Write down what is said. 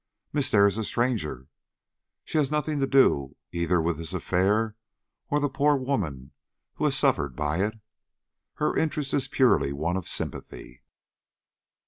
"Miss Dare is a stranger. She has nothing to do either with this affair or the poor woman who has suffered by it. Her interest is purely one of sympathy."